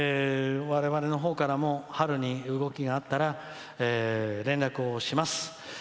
われわれのほうからも春に動きがあったら連絡をします。